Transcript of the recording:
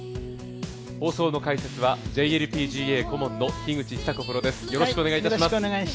放送の解説はＪＬＰＧＡ顧問の樋口久子プロです。